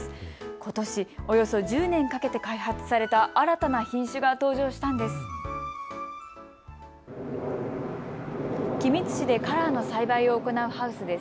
ことしおよそ１０年かけて開発された新たな品種が登場したんです。